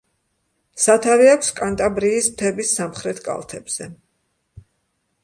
სათავე აქვს კანტაბრიის მთების სამხრეთ კალთებზე.